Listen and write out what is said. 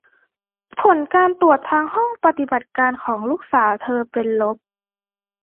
ผลตรวจทางห้องปฏิบัติการของลูกสาวเธอเป็นลบ